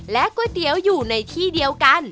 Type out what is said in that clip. ก๋วยเตี๋ยวอยู่ในที่เดียวกัน